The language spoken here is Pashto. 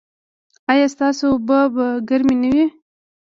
ایا ستاسو اوبه به ګرمې نه وي؟